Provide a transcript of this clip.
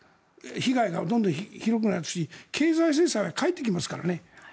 被害がどんどん広くなるし経済制裁は返ってきますからね。